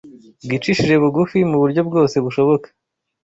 bwicishije bugufi mu buryo bwose bushoboka